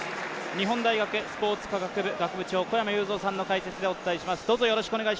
日本大学スポーツ科学部学部長小山裕三さんの解説でお伝えします。